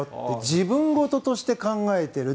自分事として考えている。